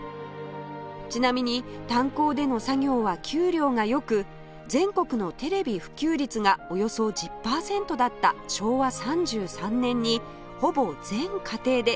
ちなみに炭鉱での作業は給料が良く全国のテレビ普及率がおよそ１０パーセントだった昭和３３年にほぼ全家庭でテレビを所有